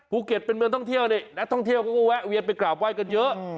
เป็นเมืองท่องเที่ยวนี่นักท่องเที่ยวเขาก็แวะเวียนไปกราบไห้กันเยอะ